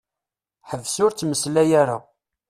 Ḥbes ur ttmeslay ara.